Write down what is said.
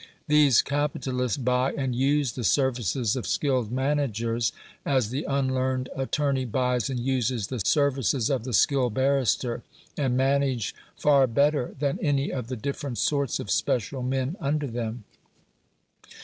These capitalists buy and use the services of skilled managers, as the unlearned attorney buys and uses the services of the skilled barrister, and manage far better than any of the different sorts of special men under them.